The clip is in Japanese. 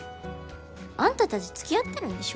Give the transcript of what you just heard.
あんたたち付き合ってるんでしょ？